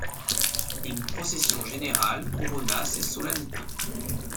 Une procession générale couronna ces solennités.